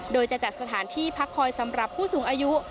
โดยจะจัดสถานที่พักคอยสำหรับผู้สูงอายุ